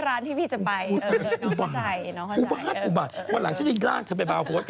เราไม่ใช่ร้านที่พี่จะไปน้องภัย